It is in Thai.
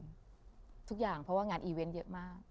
ทุกอย่างเพราะว่างานอีเวนต์เยอะมาก